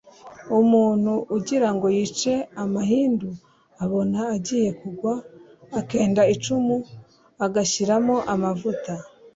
Umuntu ugirango yice amahindu abona agiye kugwa akenda icumu agashyiramo amavuta,